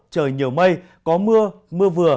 trời nhiều mây có mưa mưa vừa